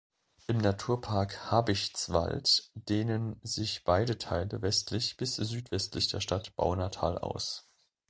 Im Naturpark Habichtswald dehnen sich beide Teile westlich bis südwestlich der Stadt Baunatal aus.